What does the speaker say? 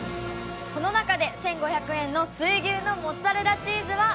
この中で１５００円の水牛のモッツァレラチーズは。